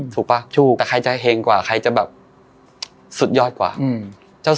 ป่ะถูกแต่ใครใจเห็งกว่าใครจะแบบสุดยอดกว่า